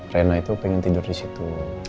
rena itu pengen tidur di situ